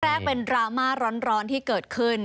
แรกเป็นดราม่าร้อนที่เกิดขึ้น